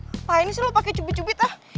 apaan sih lo pake cubit cubit ah